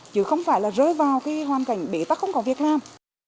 chứ không phải rơi vào hoàn cảnh bế tắc không có việc làm